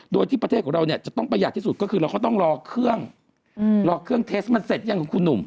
โดยที่ประเทศของเราเนี่ยจะต้องประหยัดที่สุดก็คือเราก็ต้องรอเครื่องรอเครื่องเทสมันเสร็จยังของคุณหนุ่ม